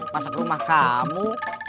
masa ke rumah kamu